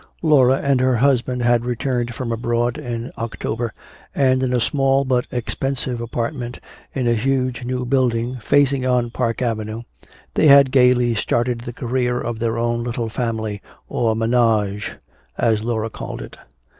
Laura and her husband had returned from abroad in October, and in a small but expensive apartment in a huge new building facing on Park Avenue they had gaily started the career of their own little family, or "ménage," as Laura called it.